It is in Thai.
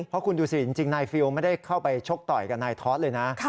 เพราะคุณดูสิจริงนายฟิลไม่ได้เข้าไปชกต่อยกับนายทอสเลยนะ